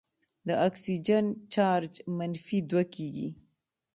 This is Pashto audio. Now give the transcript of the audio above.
د اکسیجن چارج منفي دوه کیږي.